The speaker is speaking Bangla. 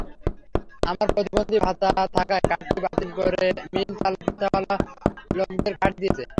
আমার প্রতিবন্ধী ভাতা থাকায় কার্ডটি বাতিল করে মিল চাতালওয়ালা লোককে কার্ড দিয়েছে।